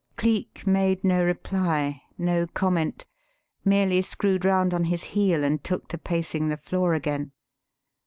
Cleek made no reply, no comment; merely screwed round on his heel and took to pacing the floor again.